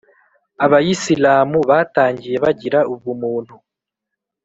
abayisilamu batangiye bagira ubumuntu